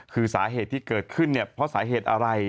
คือสาเหตุที่เกิดขึ้นเนี่ยเพราะสาเหตุอะไร